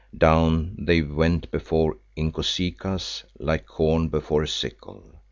Down they went before Inkosikaas, like corn before a sickle.